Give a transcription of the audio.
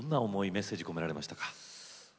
メッセージ込められましたか？